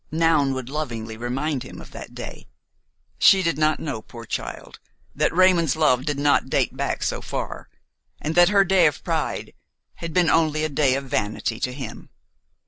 Noun would lovingly remind him of that day; she did not know, poor child, that Raymon's love did not date back so far, and that her day of pride had been only a day of vanity to him.